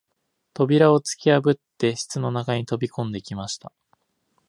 扉をつきやぶって室の中に飛び込んできました